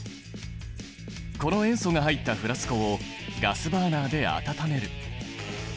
この塩素が入ったフラスコをガスバーナーで温める。